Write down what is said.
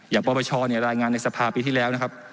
อย่างปบชเนี่ยรายงานในสภาพีที่แล้วนะครับ